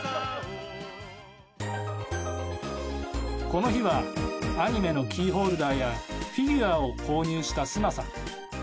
この日はアニメのキーホルダーやフィギュアを購入したスマさん。